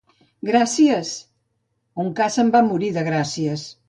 —Gràcies! —Un ca se'n va morir de gràcies.